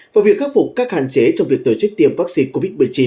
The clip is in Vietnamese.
và việc khắc phục các hạn chế trong việc tổ chức tiêm vaccine covid một mươi chín